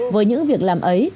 với những việc làm ấy